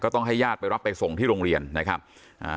ต้องให้ญาติไปรับไปส่งที่โรงเรียนนะครับอ่า